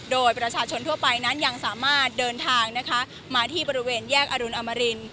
โดยประชาชนทั่วไปนั้นยังสามารถเดินทางนะคะมาที่บริเวณแยกอรุณอมริน